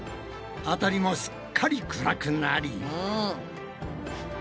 あたりもすっかり暗くなり。